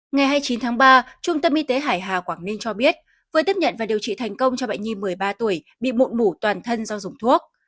ngày hai mươi chín tháng ba trung tâm y tế hải hà quảng ninh cho biết vừa tiếp nhận và điều trị thành công cho bệnh nhi một mươi ba tuổi bị mộn mủ toàn thân do dùng thuốc